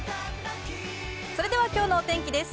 それではきょうのお天気です。